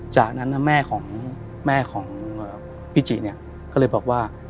จากนั้นแม่ของพี่จิก็เลยบอกว่า